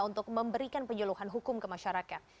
untuk memberikan penyuluhan hukum ke masyarakat